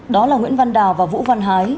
đó là nguyễn văn đào và vũ văn hái